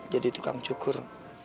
jadi tukang cukur